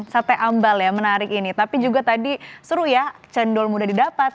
sate ambal ya menarik ini tapi juga tadi seru ya cendol mudah didapat